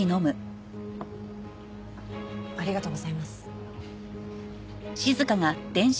ありがとうございます。